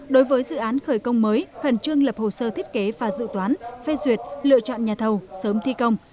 đối với dự án khởi công mới khẩn trương lập hồ sơ thiết kế và dự toán phê duyệt lựa chọn nhà thầu sớm thi công